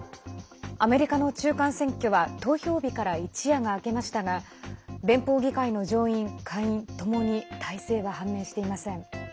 アメリカの中間選挙は投票日から一夜が明けましたが連邦議会の上院・下院ともに大勢は判明していません。